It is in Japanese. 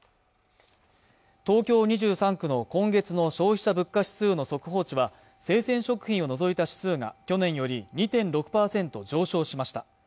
東京２３区の今月の消費者物価指数の速報値は生鮮食品を除いた指数が去年より２．６％上昇しました